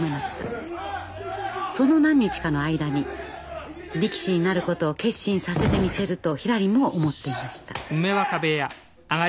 その何日かの間に力士になることを決心させてみせるとひらりも思っていました。